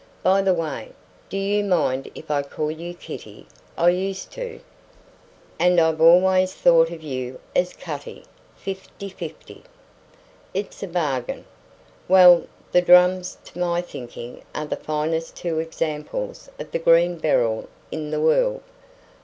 By the way, do you mind if I call you Kitty? I used to." "And I've always thought of you as Cutty. Fifty fifty." "It's a bargain. Well, the drums to my thinking are the finest two examples of the green beryl in the world.